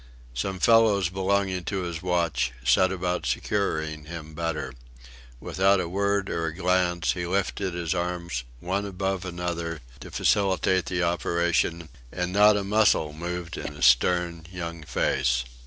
Some fellows belonging to his watch set about securing him better. Without a word or a glance he lifted his arms one after another to facilitate the operation, and not a muscle moved in his stern, young face.